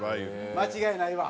間違いないわ。